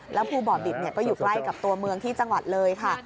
แล้วภูบ่อบิตก็อยู่ใกล้กับตัวเมืองที่จังหวัดเลยค่ะ